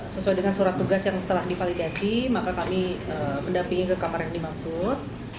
sesuai dengan surat tugas yang telah divalidasi maka kami mendampingi ke kamar yang dimaksud